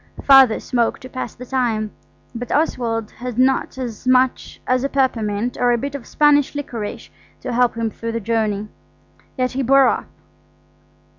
Father smoked to pass the time, but Oswald had not so much as a peppermint or a bit of Spanish liquorice to help him through the journey. Yet he bore up.